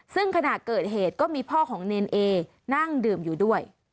ซึ่งขณะเกิดเหตุก็มีพ่อของเนรเอนั่งดื่มอยู่ด้วย